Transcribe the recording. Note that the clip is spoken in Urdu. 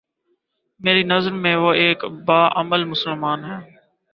میری نظر میں وہ ایک با عمل مسلمان ہے